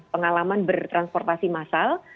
pengalaman bertransportasi massal